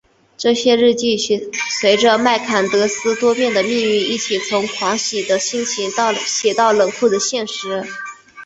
这些日记随着麦坎德斯多变的命运一起从狂喜的心情写到冷酷的现实。